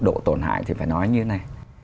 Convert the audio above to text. độ tổn hại thì phải nói như thế này